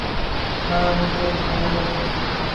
না, আমি বেশ ভালোই আছি।